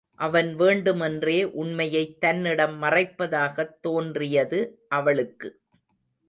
அவன் வேண்டுமென்றே உண்மையைத் தன்னிடம் மறைப்பதாகத் தோன்றியது அவளுக்கு.